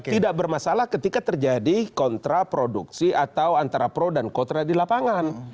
tidak bermasalah ketika terjadi kontra produksi atau antara pro dan kontra di lapangan